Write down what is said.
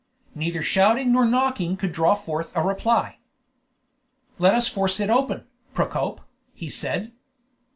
Neither shouting nor knocking could draw forth a reply. "Let us force it open, Procope!" he said.